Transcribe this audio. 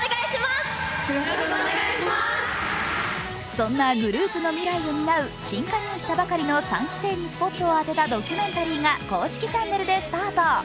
そんなグループの未来を担う新加入したばかりの３期生にスポットを当てたドキュメンタリーが公式チャンネルでスタート。